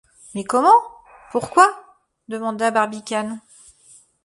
Mais comment ? pourquoi ? demanda Barbicane.